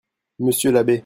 Monsieur l'abbé.